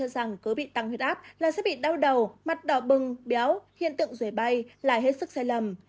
đặc biệt tăng huyết áp sẽ bị đau đầu mặt đỏ bừng béo hiện tượng rủi bay lại hết sức sai lầm